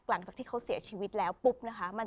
มันจะย้อนปุ๊บ